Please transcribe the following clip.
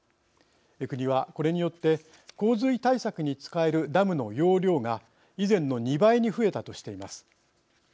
国はこれによって洪水対策に使えるダムの容量が以前の２倍に増えたとしています。